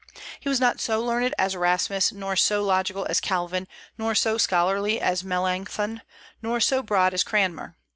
He was not so learned as Erasmus, nor so logical as Calvin, nor so scholarly as Melancthon, nor so broad as Cranmer.